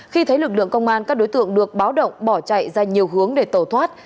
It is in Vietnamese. khi thấy lực lượng công an các đối tượng được báo động bỏ chạy ra nhiều hướng để tẩu thoát